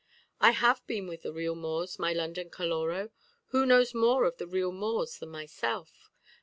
"I have been with the real Moors, my London Caloró. Who knows more of the real Moors than myself?